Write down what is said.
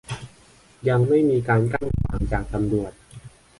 ยังไม่มีการกั้นขวางจากตำรวจ